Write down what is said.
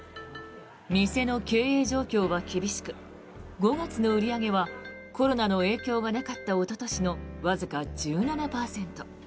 店の経営状況は厳しく５月の売り上げはコロナの影響がなかったおととしの、わずか１７％。